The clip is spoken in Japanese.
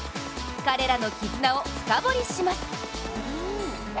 彼らの絆を深掘りします。